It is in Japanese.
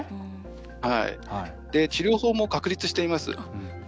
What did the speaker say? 治療法も確立しています。